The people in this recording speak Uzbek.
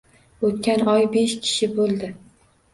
O‘tgan oy besh kishi bo‘ldi